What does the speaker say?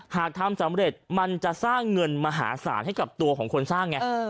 หากทำสำเร็จมันจะสร้างเงินมหาศาลให้กับตัวของคนสร้างไง